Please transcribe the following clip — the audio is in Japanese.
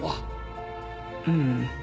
うん。